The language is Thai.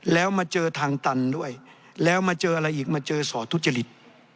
แล้วมาเจอทางตันด้วยแล้วมาเจออะไรอีกมาเจอสอทุจริต